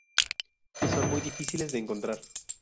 Y son muy difíciles de encontrar.